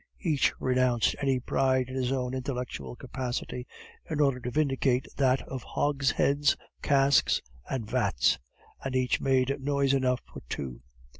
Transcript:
Each renounced any pride in his own intellectual capacity, in order to vindicate that of hogsheads, casks, and vats; and each made noise enough for two.